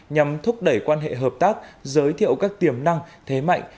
nhằm thúc đẩy quan hệ hợp tác giới thiệu các tiềm năng thế mạnh